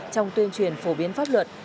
trong tuyên truyền phổ biến pháp luật